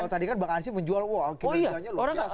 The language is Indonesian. kalau tadi kan bang ansy menjual wah kinerjanya luar biasa